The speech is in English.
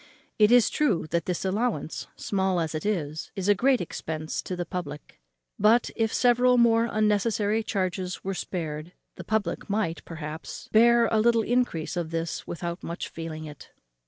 It is true that this allowance, small as it is, is a great expense to the public; but, if several more unnecessary charges were spared, the public might, perhaps, bear a little encrease of this without much feeling it.